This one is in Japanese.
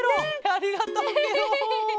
ありがとうケロ。